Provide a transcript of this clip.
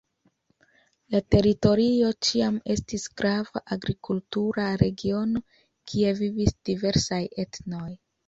La teritorio ĉiam estis grava agrikultura regiono, kie vivis diversaj etnoj.